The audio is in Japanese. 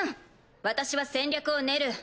私は戦略を練る。